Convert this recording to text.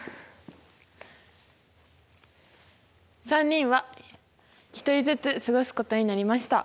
３人は１人ずつ過ごすことになりました。